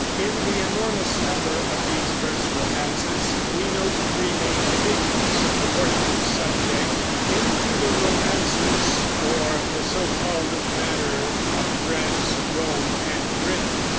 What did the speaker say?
In the enormous number of these verse romances we note three main divisions, according to subject, into the romances (or the so called matter) of France, Rome, and Britain.